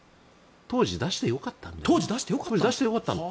当時、出してよかったんです。